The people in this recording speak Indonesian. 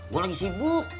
gue lagi sibuk